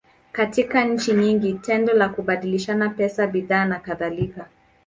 Katika nchi nyingi, tendo la kubadilishana pesa, bidhaa, nakadhalika.